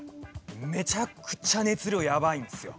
めちゃくちゃ熱量やばいんですよ。